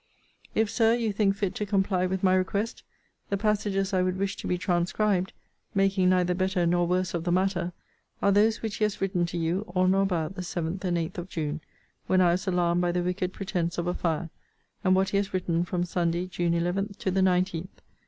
If, Sir, you think fit to comply with my request, the passages I would wish to be transcribed (making neither better nor worse of the matter) are those which he has written to you, on or about the 7th and 8th of June, when I was alarmed by the wicked pretence of a fire; and what he has written from Sunday, June 11, to the 19th.